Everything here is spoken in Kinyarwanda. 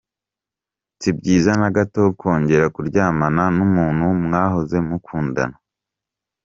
Si byiza na gato kongera kuryamana n’umuntu mwahoze mukundana.